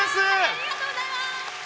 ありがとうございます！